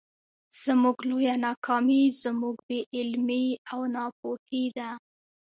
زموږ لويه ناکامي زموږ بې علمي او ناپوهي ده.